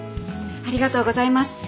ありがとうございます。